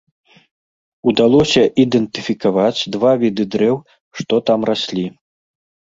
Удалося ідэнтыфікаваць два віды дрэў, што там раслі.